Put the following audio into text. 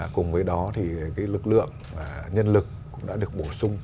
cùng với đó thì lực lượng nhân lực cũng đã được bổ sung